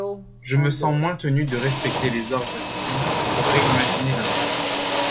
Je me sens moins tenu de respecter les ordres visibles pour réimaginer le monde.